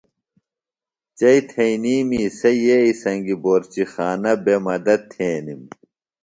چئی تھئینیمی سےۡ یئی سنگیۡ بورچی خانہ بےۡ مدت تھینِم۔